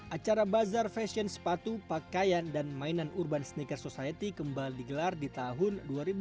acara bazar fashion sepatu pakaian dan mainan urban sneaker society kembali digelar di tahun dua ribu dua puluh